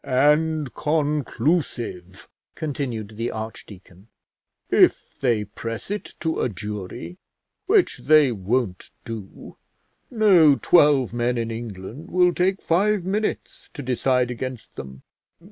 "And conclusive," continued the archdeacon; "if they press it to a jury, which they won't do, no twelve men in England will take five minutes to decide against them."